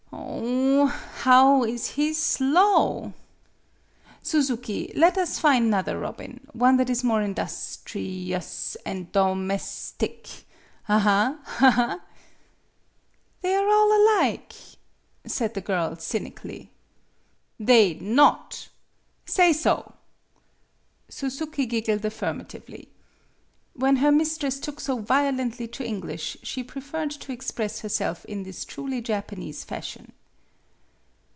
"Oh, bow he is slow! Suzuki, let us fine 'nother robin, one that is more indus tri ous an' domes tic, aha, ha, ha!" " They are all alike, " said thegirl, cynically. " They not! Say so !" Suzuki giggled affirmatively. When her mistress took so violently to English she preferred to express herself in this truly Japanese fashion.